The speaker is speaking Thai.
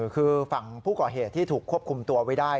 คือฝั่งผู้ก่อเหตุที่ถูกควบคุมตัวไว้ได้